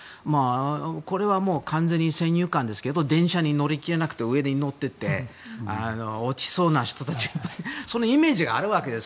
これは完全に先入観ですが電車に乗り切れなくて上に乗っていて落ちそうな人たちがそんなイメージがあるわけです。